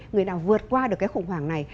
người nào vượt qua được cái khủng hoảng này